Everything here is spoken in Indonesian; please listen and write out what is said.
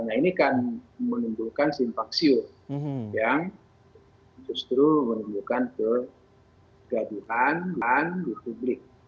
nah ini kan menimbulkan simpang siur yang justru menimbulkan kegaduhan di publik